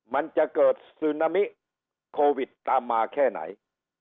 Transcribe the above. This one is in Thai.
มันจะเกิดซึนามิโควิดตามมาแค่ไหน